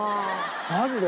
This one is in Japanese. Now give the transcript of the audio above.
マジで？